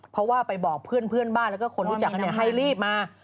เพราะว่าไปบอกเพื่อนบ้านแล้วก็คนรู้จักให้รีบมา